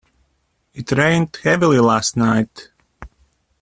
It rained heavily last night.